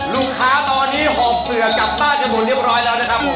ลูกค้าตอนนี้หอบเสือกลับบ้านกันหมดเรียบร้อยแล้วนะครับผม